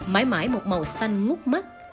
mãi mãi một màu xanh ngút mắt